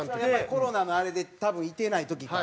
コロナのあれで多分いてない時かな。